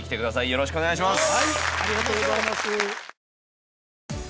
よろしくお願いします